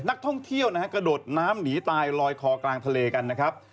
นักท่องเที่ยวนะฮะกระโดดน้ำหนีตายลอยคอกลางทะเลกันนะครับ